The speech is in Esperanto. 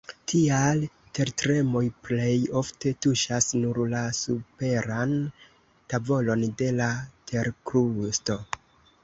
Tial tertremoj plej ofte tuŝas nur la superan tavolon de la terkrusto.